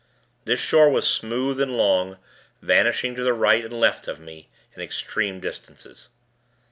This shore was smooth and long, vanishing to right and left of me, in extreme distances.